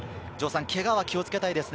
けがは気をつけたいですね。